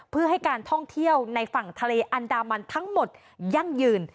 เพื่อให้การท่องเที่ยวในฝั่งทะเลอันดามันทั้งหมดยั่งยืน